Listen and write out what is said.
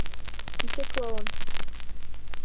Ике клоун!